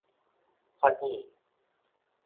發蘖